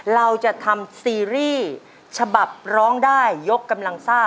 เราจะทำซีรีส์ฉบับร้องได้ยกกำลังซ่า